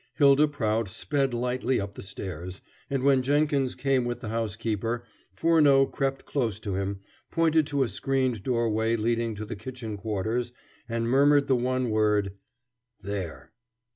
Hylda Prout sped lightly up the stairs, and when Jenkins came with the housekeeper, Furneaux crept close to him, pointed to a screened doorway leading to the kitchen quarters, and murmured the one word: "There!"